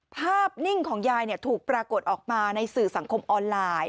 นิ่งของยายถูกปรากฏออกมาในสื่อสังคมออนไลน์